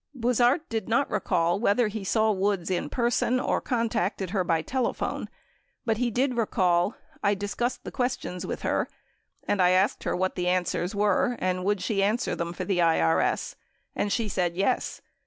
87 Buzhardt did not recall whether he saw Woods in person or contacted her by telephone but he did recall : I discussed the questions with her and I asked her what the answers were and would she answer them for the IKS. And she said, "Yes."